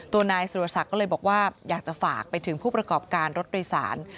ตัวนายสุรศักดิ์ก็เลยบอกว่าอยากจะฝากไปถึงผู้ประกอบการรถโดยสาร